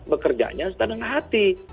bekerjanya setandang hati